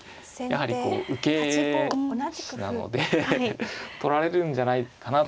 やはり受け師なので取られるんじゃないかなと思ってました。